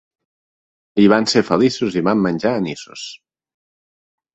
I van ser feliços i van menjar anissos.